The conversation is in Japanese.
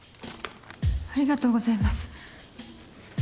ありがとうございます。